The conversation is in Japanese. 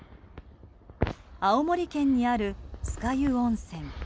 青森県にある酸ヶ湯温泉。